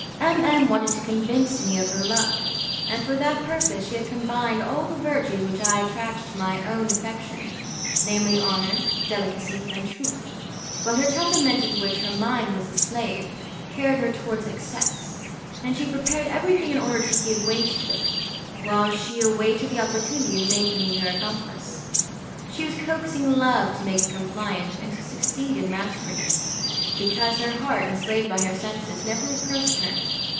M M wanted to convince me of her love, and for that purpose she had combined all the virtues which I attached to my own affection namely, honour, delicacy, and truth, but her temperament, of which her mind was the slave, carried her towards excess, and she prepared everything in order to give way to it, while she awaited the opportunity of making me her accomplice. She was coaxing love to make it compliant, and to succeed in mastering it, because her heart, enslaved by her senses, never reproached her.